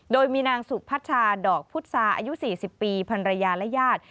โดยมีนางสุพัชชาดอกพุษาอายุ๔๐ปีพันรยาและญาติ